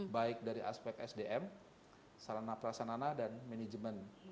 baik dari aspek sdm sarana prasana dan manajemen